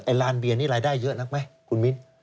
ไอ้ล้านเบียร์นี้รายได้เยอะนักไหมคุณวิน